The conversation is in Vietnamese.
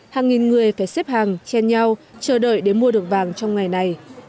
hàng nghìn người phải xếp hàng chen nhau chờ đợi để mua được vàng trong ngày này